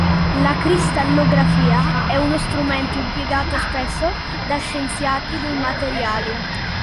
La cristallografia è uno strumento impiegato spesso da scienziati dei materiali.